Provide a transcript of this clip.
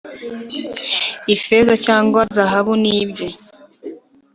Ifeza cyangwa zahabu nibye